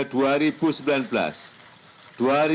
adalah pak jokowi